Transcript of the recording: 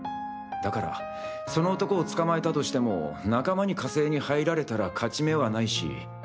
だからその男を捕まえたとしても仲間に加勢に入られたら勝ち目はないし。